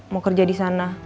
mau kerja disana